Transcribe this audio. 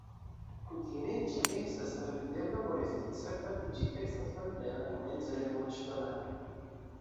Kutime ĝi estas travidebla por esti certa ke ĝi estas malplena komence de voĉdonado.